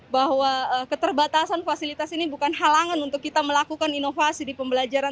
bahwa keterbatasan fasilitas ini bukan halangan untuk kita melakukan inovasi di pembelajaran